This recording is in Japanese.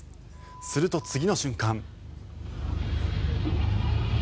すると、次の瞬間。